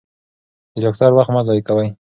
د ډاکټر وخت مه ضایع کوئ.